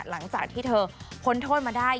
หลังจากที่เธอพ้นโทษมาได้